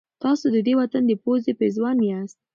تاسو د دې وطن د پوزې پېزوان یاست.